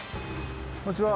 こんにちは。